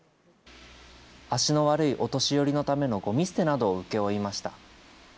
足の悪いお年寄りのためのごみ捨てなどを請け負いました。